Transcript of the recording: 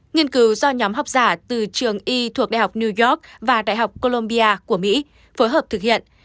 nghiên cứu do nhóm học giả từ trường y thuộc đại học new york và đại học colombia của mỹ phối hợp thực hiện